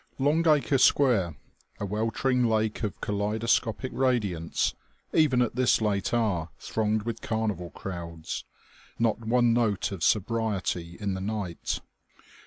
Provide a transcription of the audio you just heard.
Longacre Square, a weltering lake of kaleidoscopic radiance, even at this late hour thronged with carnival crowds, not one note of sobriety in the night....